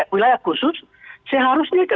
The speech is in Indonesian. wilayah khusus seharusnya